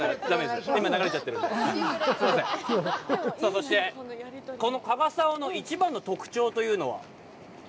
そして、この加賀竿の一番の特徴というのは。